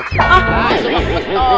ah sudah ketok